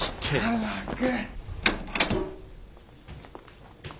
早く！